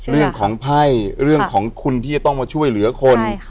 เรื่องของไพ่เรื่องของคุณที่จะต้องมาช่วยเหลือคน